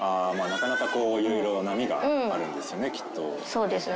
そうですね。